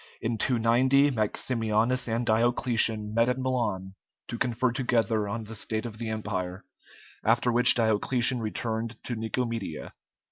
In 290 Maximianus and Diocletian met at Milan to confer together on the state of the Empire, after which Diocletian returned to Nicomedia.